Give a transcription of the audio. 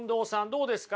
どうですか？